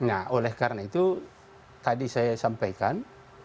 nah oleh karena itu tadi saya sampaikan